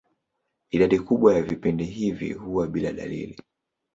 Idadi kubwa ya vipindi hivi huwa bila dalili.